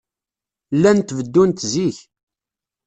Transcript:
Llant beddunt zik.